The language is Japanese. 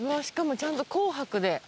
しかもちゃんと紅白で。